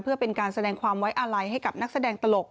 เพื่อเป็นการแสดงความไว้อาลัยให้กับนักแสดงตลก